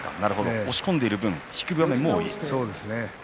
押し込んでいく分引く場面も多い。